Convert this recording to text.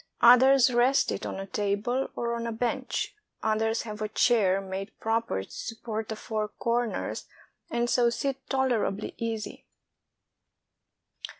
Others rest it on a table or on a bench; others have a chair made proper to support the four corners, and so sit tolerably easy.